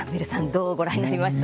どうご覧になりました？